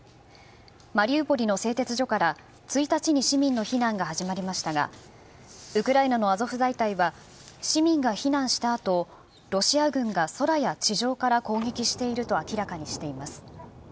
マリウポリの製鉄所から、１日に市民の避難が始まりましたが、ウクライナのアゾフ大隊は、市民が避難したあと、ロシア軍が空や地上から攻撃していると明らかにしています。